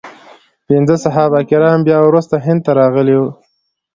پنځه صحابه کرام بیا وروسته هند ته راغلي وو.